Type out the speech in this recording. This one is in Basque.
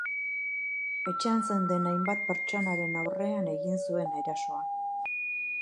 Etxean zeuden hainbat pertsonaren aurrean egin zuen erasoa.